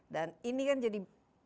dan ini kan jadi